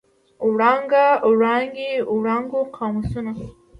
وړانګه، وړانګې، وړانګو، قاموسونه.